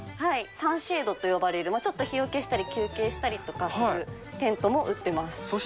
サンシェードと呼ばれる、ちょっと日よけしたり、休憩したりとかするテントも売ってます。